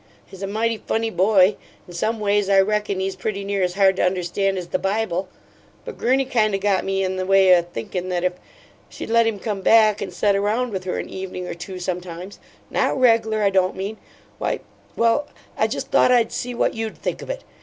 He's a mighty funny boy, and some ways I reckon he's pretty near as hard to understand as the Bible, but Gurney kind o' got me in the way o' thinkin' that if she'd let him come back and set around with her an evening or two sometimes not reg'lar, I don't mean why Well, I just thought I'd see what YOU'D think of it.